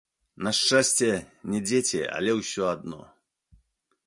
На шчасце, не дзеці, але ўсё адно.